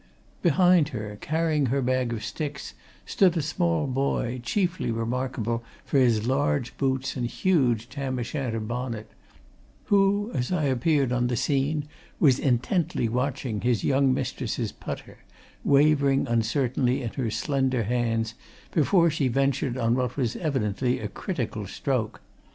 Behind her, carrying her bag of sticks, stood a small boy, chiefly remarkable for his large boots and huge tam o' shanter bonnet, who, as I appeared on the scene, was intently watching his young mistress's putter, wavering uncertainly in her slender hands before she ventured on what was evidently a critical stroke.